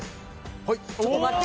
ちょっと待って。